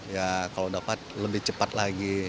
ya kalau dapat lebih cepat lagi